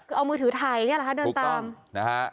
เอามือถือถ่ายเนี่ยหรอฮะเดินตามถูกต้องนะฮะ